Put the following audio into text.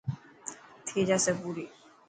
ٿي جاسي پوري.